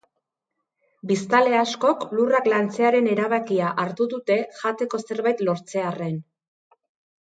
Biztanle askok lurrak lantzearen erabakia hartu dute jateko zerbait lortzearren.